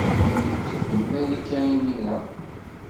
Anda ay txeddem Marika, imir-a?